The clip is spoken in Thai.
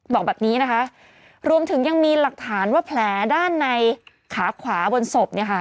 บอกแบบนี้นะคะรวมถึงยังมีหลักฐานว่าแผลด้านในขาขวาบนศพเนี่ยค่ะ